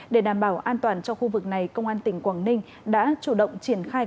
để đảm bảo an toàn cho khu vực này công an tỉnh quảng ninh đã chủ động triển khai